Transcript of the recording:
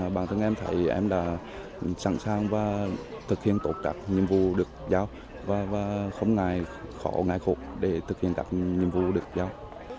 bản thân em thấy em đã sẵn sàng và thực hiện tốt các nhiệm vụ được giao và không ngại khó ngại khổ để thực hiện các nhiệm vụ được giao